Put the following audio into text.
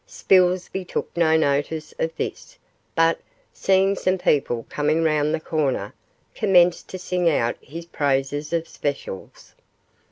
Spilsby took no notice of this, but, seeing some people coming round the corner, commenced to sing out his praises of the specials.